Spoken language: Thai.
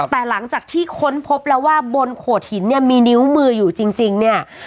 แต่หลังจากที่ค้นพบแล้วว่าบนโขดหินเนี่ยมีนิ้วมืออยู่จริงเนี่ย